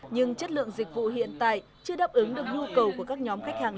nhưng chất lượng dịch vụ hiện tại chưa đáp ứng được nhu cầu của các nhóm khách hàng